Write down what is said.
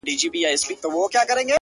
ورباندي وځړوې،